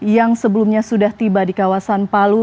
yang sebelumnya sudah tiba di kawasan palu